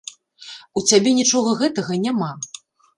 У цябе нічога гэтага няма.